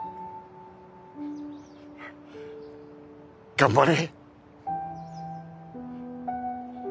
頑張れ。